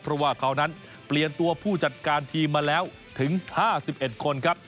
เพราะว่าเขานั้นเปลี่ยนตัวผู้จัดการทีมมาแล้วถึง๕๑คนครับ